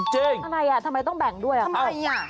ฮะอะไรน่ะทำไมต้องแบ่งด้วยครับจริง